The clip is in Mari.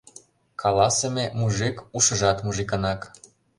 Каласыме — мужик, ушыжат мужикынак...